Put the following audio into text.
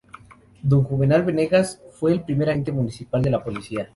Don Juvenal Venegas, fue el primer Agente Principal de Policía.